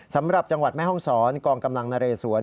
สำหรับจังหวัดแม่ห้องศรกองกำลังนเรสวน